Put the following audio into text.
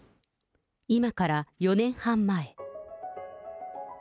今から４年半前。